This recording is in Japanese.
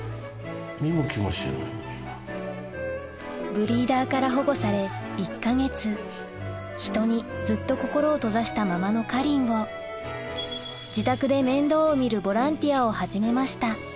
ブリーダーから保護され１か月人にずっと心を閉ざしたままのかりんを自宅で面倒を見るボランティアを始めました